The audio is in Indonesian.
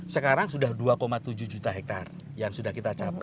sekarang sudah dua tujuh juta hektare yang sudah kita capai